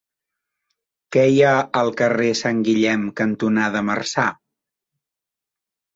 Què hi ha al carrer Sant Guillem cantonada Marçà?